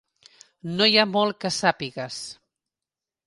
No hi ha molt que sàpigues.